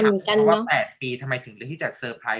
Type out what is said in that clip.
ในคำถามว่า๘ปีทำไมถึงได้ที่จะเซอร์ไพรส์